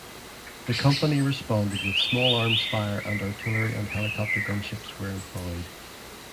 The company responded with small arms fire and artillery and helicopter gunships were employed.